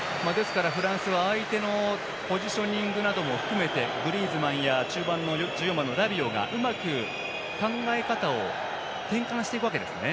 フランスは相手のポジショニングも含めグリーズマンや中盤、１４番のラビオがうまく考え方を転換していくわけですね。